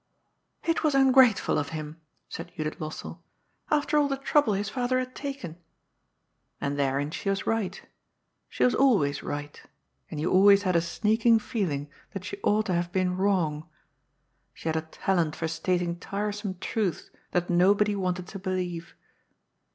" It was ungrateful of him," said Judith Lossell, ^' after all the trouble his father had taken." And therein she was right. She was always right; and you always had a sneaking feeling that she ought to have been wrong. She had a talent for stating tiresome truths that nobody wanted to believe.